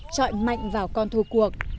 trọi mạnh vào con thua cuộc